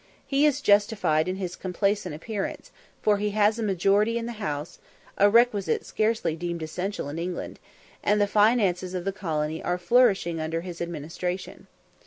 He is justified in his complacent appearance, for he has a majority in the house, a requisite scarcely deemed essential in England, and the finances of the colony are flourishing under his administration.